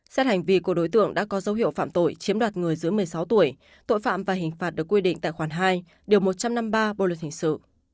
xét hành vi của đối tượng đã có dấu hiệu phạm tội chiếm đoạt người dưới một mươi sáu tuổi tội phạm và hình phạt được quy định tại khoản hai điều một trăm năm mươi ba bộ luật hình sự